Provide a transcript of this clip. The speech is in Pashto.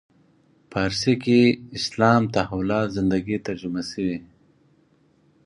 فارسي کې اسلام تحولات زندگی ترجمه شوی.